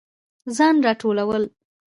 ځان راټولول